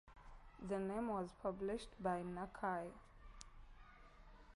The name was published by Nakai.